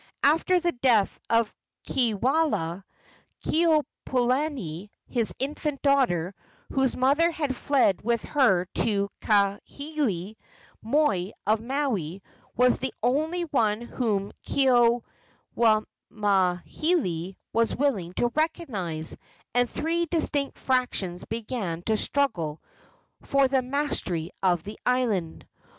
After the death of Kiwalao, Keopuolani, his infant daughter, whose mother had fled with her to Kahekili, moi of Maui, was the only one whom Keawemauhili was willing to recognize, and three distinct factions began to struggle for the mastery of the island.